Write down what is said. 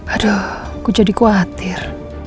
aduh aku jadi khawatir